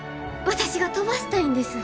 私が飛ばしたいんです。